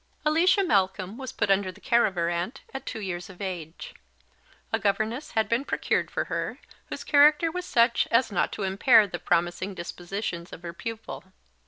Alicia Malcolm was put under the care of her aunt at two years of age. A governess had been procured for her, whose character was such as not to impair the promising dispositions of her pupil.